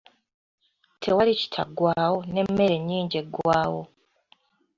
Tewali kitaggwaawo, n'emmere enyinji eggwawo.